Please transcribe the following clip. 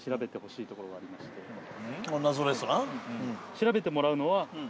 調べてもらうのはえっ！？